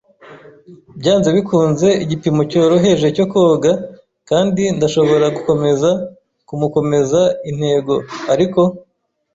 byanze bikunze igipimo cyoroheje cyo koga, kandi ndashobora gukomeza kumukomeza intego. Ariko